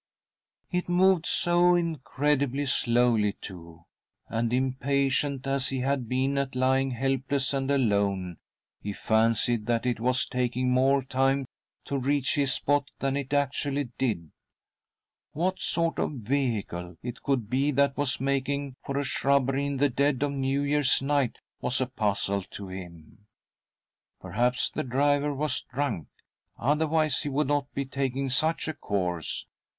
It moved so incredibly slowly, too> and, impatient 1 as he had been at lying helpless and alone, he fancied that it was taking more time to reach his spot than it actually did. What sort of a vehicle . it could be that was making for a shrubbery in the dead of New Year's night was a puzzle to him. Perhaps the driver was drunk, otherwise he would not be taking such a course.